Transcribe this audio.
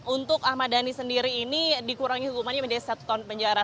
untuk ahmad dhani sendiri ini dikurangi hukumannya menjadi satu tahun penjara